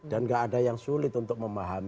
dan gak ada yang sulit untuk memahami